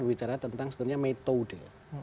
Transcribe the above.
bicara tentang metode